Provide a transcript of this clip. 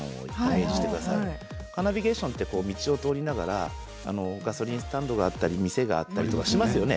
カーナビゲーションって道を通りながらガソリンスタンドがあったり店があったりとかしますよね。